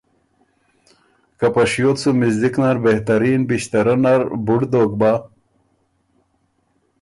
که په شیوت سُو مِزدِک نر بهترین بِݭترۀ نر بُډ دوک بَۀ،